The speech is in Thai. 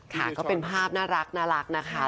ค่ะก็เป็นภาพน่ารักนะคะ